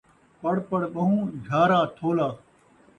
پڑ پڑ ٻہوں ، جھارا تھولا